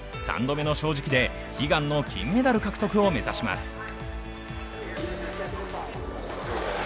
３度目の正直で悲願の金メダル獲得を目指します。